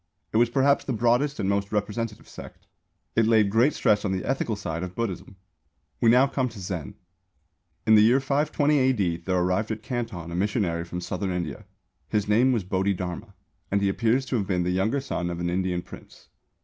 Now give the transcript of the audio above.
It was perhaps the broadest and most representative sect. It laid great stress on the ethical side of Buddhism. We now come to Zen. In the year 520 A.D. there arrived at Canton a missionary from Southern India. His name was Bodhidharma and he appears to have been the younger son of an Indian Prince.